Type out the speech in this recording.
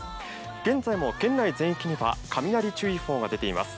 現在も県内全域には雷注意報が出ています。